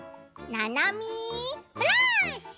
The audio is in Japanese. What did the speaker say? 「ななみフラッシュ！」。